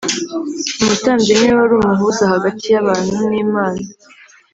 Umutambyi niwe wari umuhuza hagati y’abantu n’Imana